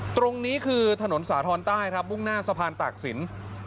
ตรงนี้คือถนนสาธรณ์ใต้ครับมุ่งหน้าสะพานตากศิลป์